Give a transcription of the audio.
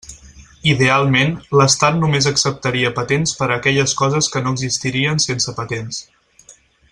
Idealment, l'estat només acceptaria patents per a aquelles coses que no existirien sense patents.